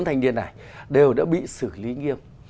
thanh niên này đều đã bị xử lý nghiêm